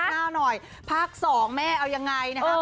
หน้าหน่อยภาค๒แม่เอายังไงนะครับ